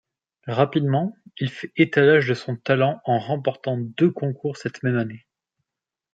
Rapidement, il fait étalage de son talent en remportant deux concours cette même année.